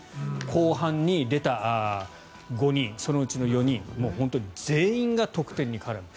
後半に出た５人そのうちの４人もう本当に全員が得点に絡む。